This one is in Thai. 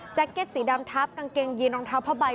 เก็ตสีดำทับกางเกงยีนรองเท้าผ้าใบ